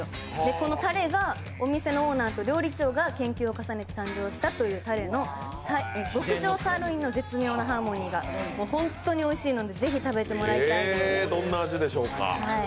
このタレがお店のオーナーと料理長が研究したという、極上サーロインのハーモニーが本当においしいのでぜひ食べてもらいたいです